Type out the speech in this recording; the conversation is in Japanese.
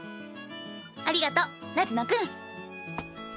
ありがとう夏野君。